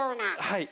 はい。